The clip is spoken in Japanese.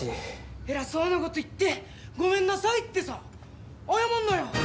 「偉そうなこと言ってごめんなさいってさ謝んなよ」